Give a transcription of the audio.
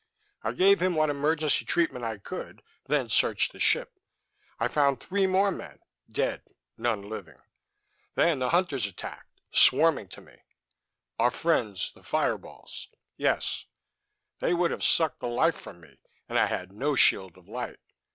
I gave him what emergency treatment I could, then searched the ship. I found three more men, dead; none living. Then the Hunters attacked, swarming to me " "Our friends the fire balls?" "Yes; they would have sucked the life from me and I had no shield of light.